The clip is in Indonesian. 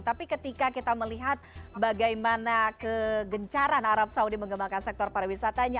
tapi ketika kita melihat bagaimana kegencaran arab saudi mengembangkan sektor pariwisatanya